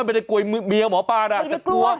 ไม่ได้กลัวเมียหมอป้านะแต่กลัว